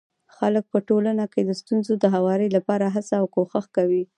خلک په ټولنه کي د ستونزو د هواري لپاره هڅه او کوښښ کوي.